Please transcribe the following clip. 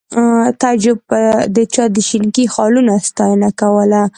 تعجب به د چا د شینکي خالونو ستاینه کوله